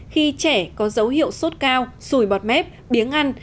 khi trẻ có dấu hiệu sốt cao sùi bọt mép biếng ăn